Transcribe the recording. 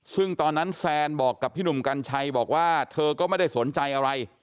ซึ่งตอนนั้นแซนบอกกับพี่หนุ่มกัญชัยบอกว่าเธอก็ไม่ได้สนใจอะไร